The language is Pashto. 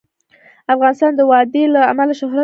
افغانستان د وادي له امله شهرت لري.